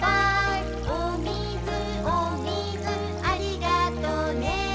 「おみずおみずありがとね」